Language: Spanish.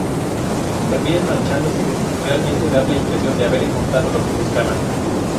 Terminan marchándose sin realmente dar la impresión de haber encontrado lo que buscaban.